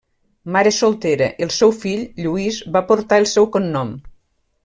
Mare soltera, el seu fill, Lluís, va portar el seu cognom.